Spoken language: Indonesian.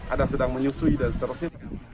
ada sedang menyusui dan seterusnya